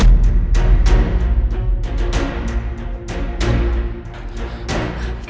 dini bantu ndi